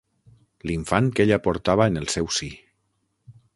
L'infant que ella portava en el seu si.